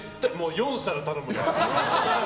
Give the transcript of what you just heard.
４皿頼むよ。